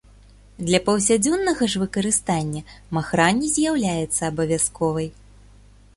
Для паўсядзённага ж выкарыстання махра не з'яўляецца абавязковай.